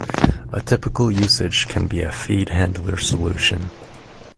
A typical usage can be a "feed handler" solution.